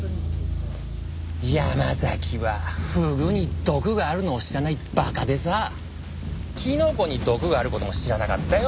山崎はフグに毒があるのを知らない馬鹿でさキノコに毒がある事も知らなかったよ。